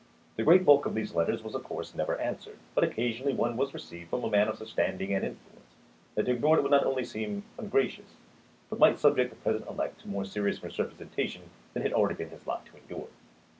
The great bulk of these letters was, of course, never answered; but occasionally one was received from a man of such standing and influence that to ignore it would not only seem ungracious, but might subject the President elect to more serious misrepresentation than it had already been his lot to endure.